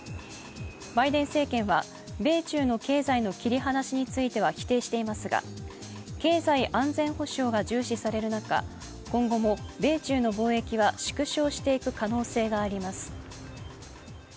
バイデン政権は米中の経済の切り離しについては否定していますが経済安全保障が重視される中、今後も米中の貿易は縮小していく可能性があります。